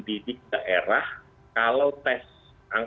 dan itu menjadi konsumen